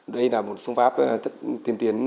đây là một phương pháp tiến tiến